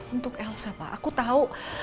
untuk elsa pak aku tahu